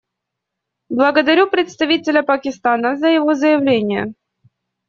Благодарю представителя Пакистана за его заявление.